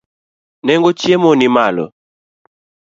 Nengo chiemo nimalo.